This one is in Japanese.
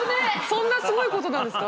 そんなすごいことなんですか？